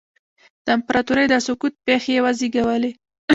د امپراتورۍ د سقوط پېښې یې وزېږولې